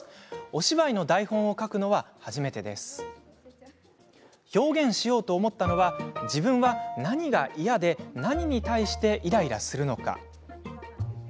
お芝居の台本を書くのは初めて。表現しようと思ったのは自分は何が嫌で何に対してイライラするのか。